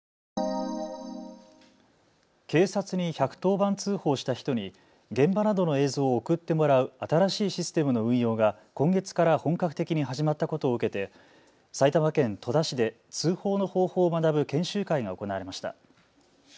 警察に１１０番通報した人に現場などの映像を送ってもらう新しいシステムの運用が今月から本格的に始まったことを受けて埼玉県戸田市で通報の方法を学ぶ研修会が行われました。